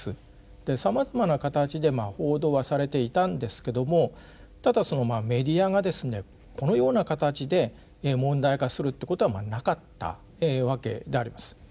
でさまざまな形で報道はされていたんですけどもただそのメディアがですねこのような形で問題化するってことはまあなかったわけであります。